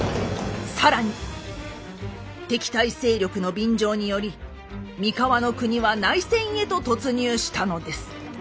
更に敵対勢力の便乗により三河国は内戦へと突入したのです。